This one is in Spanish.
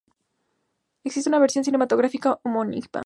Existe una versión cinematográfica homónima.